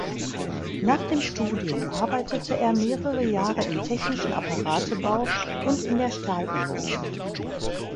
Nach dem Studium arbeitete er mehrere Jahre im technischen Apparatebau und in der Stahlindustrie.